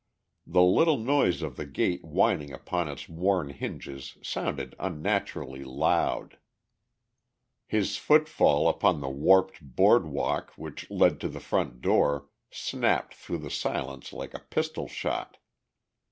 The little noise of the gate whining upon its worn hinges sounded unnaturally loud. His footfall upon the warped board walk which led to the front door snapped through the silence like a pistol shot.